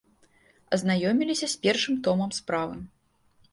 Азнаёміліся з першым томам справы.